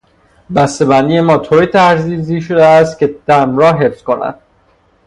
بستهبندی ما طوری طرحریزی شده است که طعم را حفظ کند.